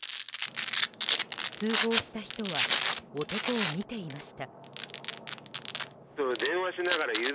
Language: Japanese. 通報した人は男を見ていました。